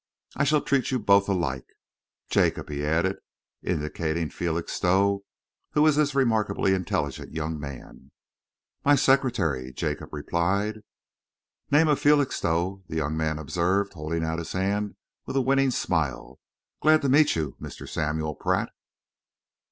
I shall treat you both alike. Jacob," he added, indicating Felixstowe, "who is this remarkably intelligent young man?" "My secretary," Jacob replied. "Name of Felixstowe," the young man observed, holding out his hand with a winning smile. "Glad to meet you, Mr. Samuel Pratt."